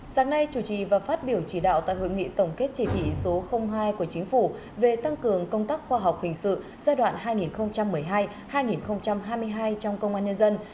sáng nay chủ trì và phát biểu chỉ đạo tại hội nghị tổng kết chỉ thị số hai của chính phủ về tăng cường công tác khoa học hình sự giai đoạn hai nghìn một mươi hai hai nghìn hai mươi hai trong công an nhân dân